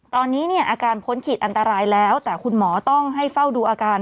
ตอนนี้เนี่ยอาการพ้นขีดอันตรายแล้วแต่คุณหมอต้องให้เฝ้าดูอาการ